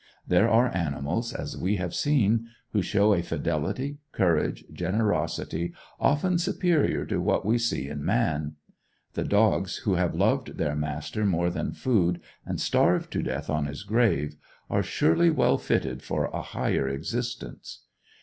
There are animals, as we have seen, who show a fidelity, courage, generosity, often superior to what we see in man. The dogs who have loved their master more than food, and starved to death on his grave, are surely well fitted for a higher existence.